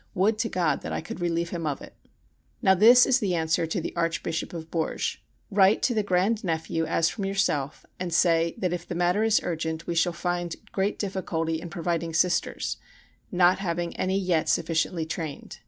Would to God that I could relieve him of it! Now this is the answer to the Archbishop of Bourges. Write to the grand nephew as from yourself and say that if the matter is urgent we shall find great difficulty in providing Sisters, not having any yet sufficiently trained.